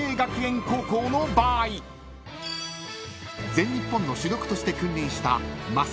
［全日本の主力として君臨した］